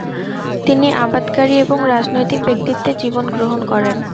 তিনি আবাদকারী এবং রাজনৈতিক ব্যক্তিত্বের জীবন গ্রহণ করেন।